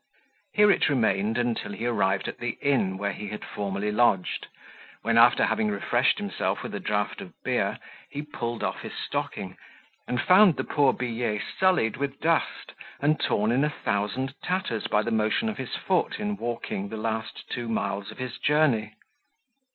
Here it remained until he arrived at the inn where he had formerly lodged, when, after having refreshed himself with a draught of beer, he pulled off his stocking, and found the poor billet sullied with dust, and torn in a thousand tatters by the motion of his foot in walking the last two miles of his journey.